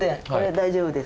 大丈夫です。